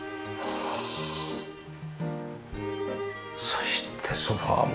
そしてソファも大きい。